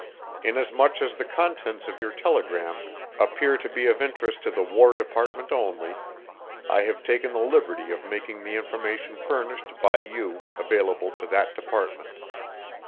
Inasmuch as the contents of your telegram appear to be of interest to the War Department only, I have taken the liberty of making the information furnished by you available to that Department.